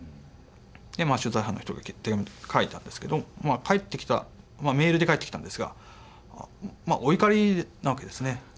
で取材班の一人が手紙を書いたんですけど返ってきたメールで返ってきたんですがまあお怒りなわけですね。